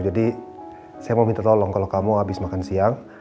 jadi saya mau minta tolong kalau kamu habis makan siang